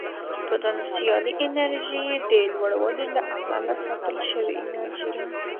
پوتنسیالي انرژي د لوړوالي له امله ساتل شوې انرژي ده.